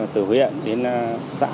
từ huyện đến xã